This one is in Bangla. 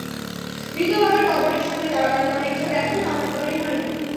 মৃত বাবার কবরের সামনে দাঁড়াবার মনের জোর এখনো আমার তৈরি হয়নি।